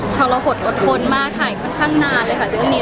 พอเราหดอดคลมากถ่ายค่อนข้างนานเลยค่ะเรียกว่านี้